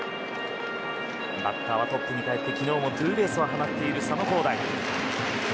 バッターはトップにかえり昨日もツーベースを放っている佐野皓大。